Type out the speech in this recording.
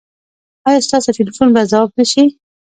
ایا ستاسو ټیلیفون به ځواب نه شي؟